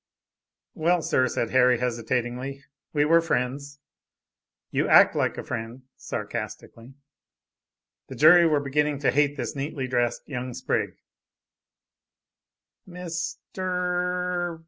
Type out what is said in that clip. "Well, sir," said Harry hesitatingly, "we were friends." "You act like a friend!" (sarcastically.) The jury were beginning to hate this neatly dressed young sprig. "Mister......